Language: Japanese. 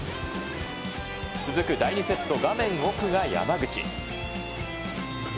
続く第２セット、画面奥が山口。